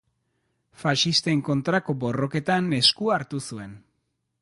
Faxisten kontrako borroketan esku hartu zuen.